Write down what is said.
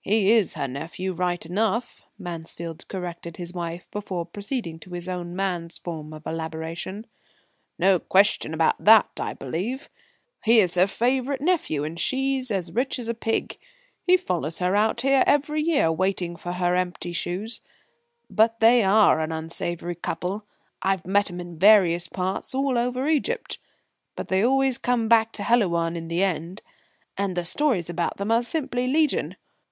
"He is her nephew right enough," Mansfield corrected his wife, before proceeding to his own man's form of elaboration; "no question about that, I believe. He's her favourite nephew, and she's as rich as a pig. He follows her out here every year, waiting for her empty shoes. But they are an unsavoury couple. I've met 'em in various parts, all over Egypt, but they always come back to Helouan in the end. And the stories about them are simply legion.